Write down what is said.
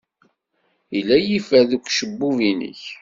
Yella yifer deg ucebbub-nnek.